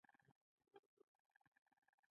• لور د خوشحالۍ سرچینه ده.